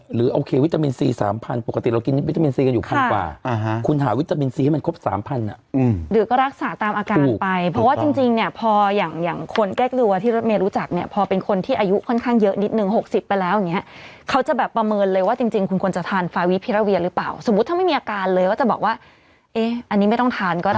ให้มันครบสามพันอ่ะอืมหรือก็รักษาตามอาการไปเพราะว่าจริงจริงเนี่ยพออย่างอย่างคนแกล้งดูว่าที่ไม่รู้จักเนี่ยพอเป็นคนที่อายุค่อนข้างเยอะนิดหนึ่งหกสิบไปแล้วอย่างเงี้ยเขาจะแบบประเมินเลยว่าจริงจริงคุณควรจะทานฟาวิพราเวียนหรือเปล่าสมมุติถ้าไม่มีอาการเลยว่าจะบอกว่าเอ๊ออันนี้ไม่ต้อง